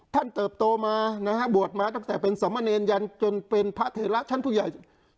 เติบโตมานะฮะบวชมาตั้งแต่เป็นสมเนรยันจนเป็นพระเถระชั้นผู้ใหญ่